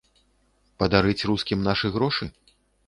Падарыць рускім нашы грошы?